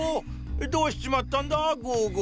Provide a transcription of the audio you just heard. どうしちまったンだグーグー？